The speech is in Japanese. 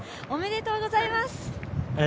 おめでとうございます。